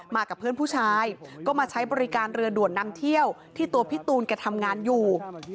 กับเพื่อนผู้ชายก็มาใช้บริการเรือด่วนนำเที่ยวที่ตัวพี่ตูนแกทำงานอยู่